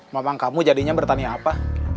mama kamu jadinya bertani apa